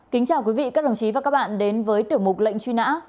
kính chào quý vị các đồng chí và các bạn đến với tiểu mục lệnh truy nã